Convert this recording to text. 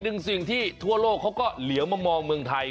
หนึ่งสิ่งที่ทั่วโลกเขาก็เหลียวมามองเมืองไทย